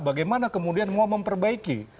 bagaimana kemudian mau memperbaiki